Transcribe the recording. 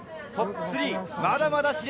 トップ３、まだまだ熾烈。